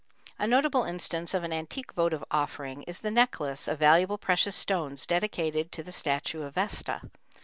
A notable instance of an antique votive offering is the necklace of valuable precious stones dedicated to the statue of Vesta.